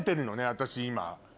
私今。